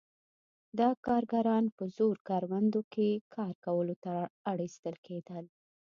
دا کارګران په زور کروندو کې کار کولو ته اړ ایستل کېدل.